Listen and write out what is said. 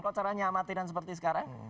kalau caranya amatinan seperti sekarang